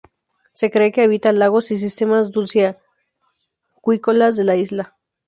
Se cree que habitaba lagos y sistemas dulceacuícolas de la isla.